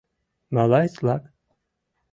Малаец-влак?